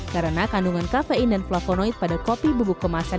karena kandungan kafein dan flavonoid pada kopi bubuk kemasan